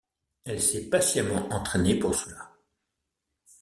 Elle s'est patiemment entraînée pour cela..